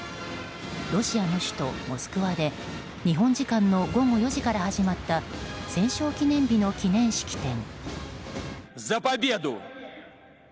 ロシアの首都モスクワで日本時間の午後４時から始まった戦勝記念日の記念式典。